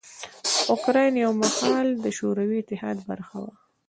اوکراین یو مهال د شوروي اتحاد برخه وه.